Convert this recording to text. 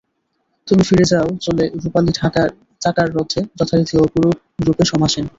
তুমি ফিরে যাও চলে রুপালি চাকার রথে যথারীতি অপরূপ রূপে সমাসীন।